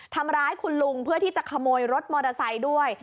ทำร้ายคุณลุงเพื่อที่จะขโมยรถมอเตอร์ไซค์ด้วย